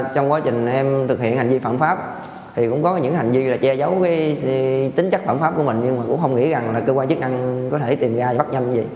trong quá trình em thực hiện hành vi phạm pháp thì cũng có những hành vi là che giấu tính chất phẩm pháp của mình nhưng mà cũng không nghĩ rằng là cơ quan chức năng có thể tìm ra bắt nhanh như vậy